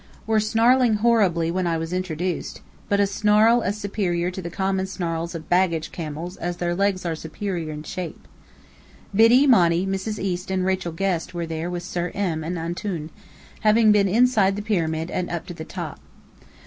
Were snarling horribly when I was introduced, but a snarl as superior to the common snarls of baggage camels as their legs are superior in shape. Biddy, Monny, Mrs. East, and Rachel Guest were there with Sir M. and "Antoun," having been inside the pyramid and up to the top.